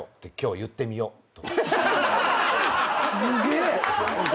すげえ！